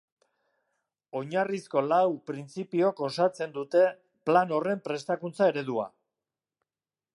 Oinarrizko lau printzipiok osatzen dute plan horren prestakuntza-eredua.